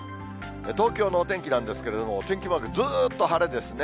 東京のお天気なんですけれども、お天気マーク、ずっと晴れですね。